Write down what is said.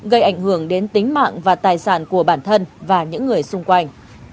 gây ảnh hưởng đến tính mạng và tài sản của bản thân và những người xung quanh